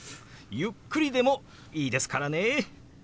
ゆっくりでもいいですからね。